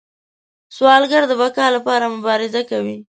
سوالګر د بقا لپاره مبارزه کوي